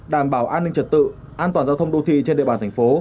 đảm bảo an ninh trật tự an toàn giao thông đô thị trên địa bàn thành phố